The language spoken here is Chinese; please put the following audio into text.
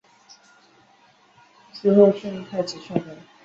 死后赠太子少保。